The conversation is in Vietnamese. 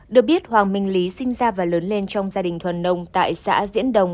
được biết hoàng minh lý sinh ra và lớn lên trong gia đình thuần nông tại xã diễn đồng